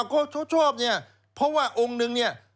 เขาชอบเนี่ยเพราะว่าองค์นึงเนี่ย